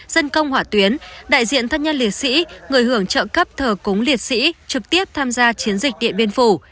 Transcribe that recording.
dân công hỏa tuyến đại diện thân nhân liệt sĩ người hưởng trợ cấp thờ cúng liệt sĩ trực tiếp tham gia chiến dịch điện biên phủ